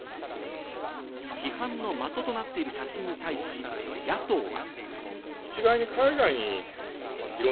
批判の的となっている写真に対し、野党は。